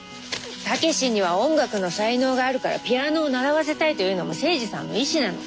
武志には音楽の才能があるからピアノを習わせたいというのも精二さんの遺志なの。